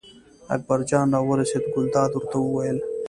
اکبرجان راورسېد، ګلداد ورته وویل.